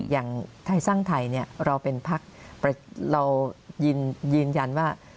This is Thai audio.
อย่างไทยสร้างไทยเราเป็นพักเรายืนยันว่า